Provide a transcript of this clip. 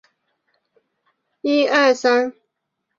万历二年甲戌科第三甲第二百一十五名进士。